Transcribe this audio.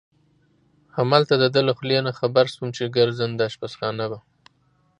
همالته د ده له خولې نه خبر شوم چې ګرځنده اشپزخانه به.